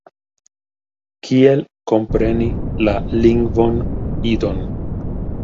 Kiel kompreni la lingvon Idon.